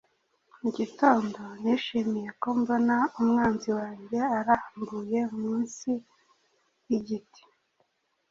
Mugitondo nishimiye ko mbona umwanzi wanjye arambuye munsi yigiti.